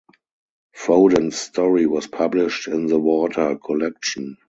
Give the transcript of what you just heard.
Foden's story was published in the 'Water' collection.